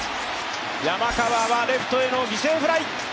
山川はレフトへの犠牲フライ。